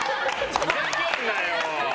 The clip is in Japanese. ふざけるなよ。